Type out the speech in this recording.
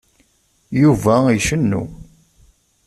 Yuba icennu.